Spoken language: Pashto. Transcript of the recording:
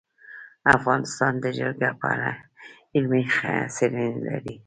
افغانستان د جلګه په اړه علمي څېړنې لري.